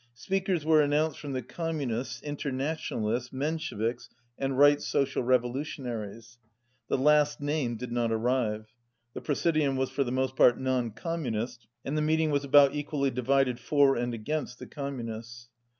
Speakers were an nounced from the Communists, Internationalists, Mensheviks, and Right Social Revolutionaries. The last named did not arrive. The Prsesidium was for the most part non Communist, and the meeting was about equally divided for and against the Communists.